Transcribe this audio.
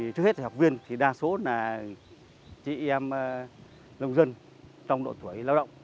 trước hết là học viên đa số là chị em nông dân trong độ tuổi lao động